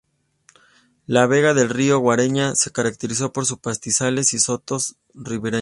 La vega del río Guareña se caracteriza por sus pastizales y sotos ribereños.